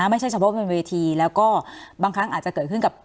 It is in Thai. ไม่ใช่เฉพาะบนเวทีแล้วก็บางครั้งอาจจะเกิดขึ้นกับ